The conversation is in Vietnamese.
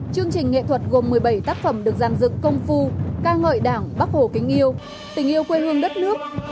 chương trình nghệ thuật gồm một mươi bảy tác phẩm được dàn dựng công phu ca ngợi đảng bắc hồ kính yêu tình yêu quê hương đất nước